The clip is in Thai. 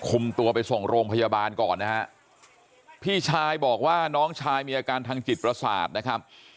คุมตัวไปส่งโรงพยาบาลก่อนนะฮะพี่ชายบอกว่าน้องชายมีอาการทางจิตประสาทนะครับ